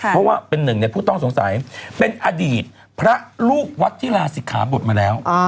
เพราะว่าเป็นหนึ่งในผู้ต้องสงสัยเป็นอดีตพระลูกวัดที่ลาศิกขาบทมาแล้ว